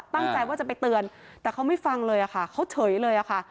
ตั้งใจว่าจะไปเตือนแต่เขาไม่ฟังเลยค่ะเขาเฉยเลยค่ะ